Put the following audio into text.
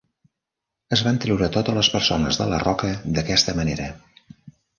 Es van treure totes les persones de la roca d'aquesta manera.